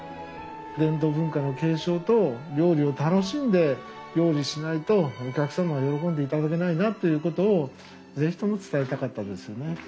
伝統文化の継承と料理を楽しんで料理しないとお客様は喜んでいただけないなということを是非とも伝えたかったですね。